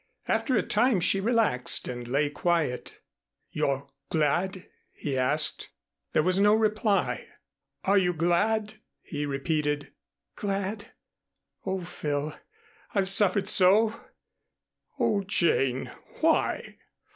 After a time she relaxed and lay quiet. "You're glad?" he asked. There was no reply. "Are you glad?" he repeated. "Glad! Oh, Phil, I've suffered so." "Oh, Jane, why?